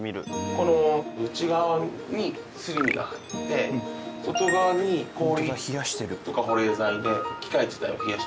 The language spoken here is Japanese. この内側にすり身が入って外側に氷とか保冷剤で機械自体を冷やしてあげる。